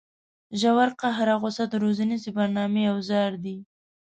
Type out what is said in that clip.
زور قهر او غصه د روزنیزې برنامې اوزار دي.